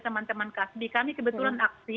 teman teman kasbi kami kebetulan aksi